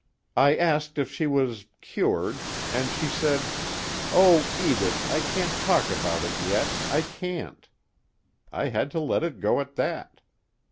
I asked if she was cured, and she said: 'Oh, Edith, I can't talk about it yet, I can't.' I had to let it go at that.